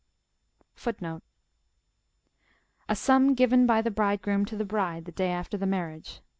A sum given by the bridegroom to the bride the day after the marriage.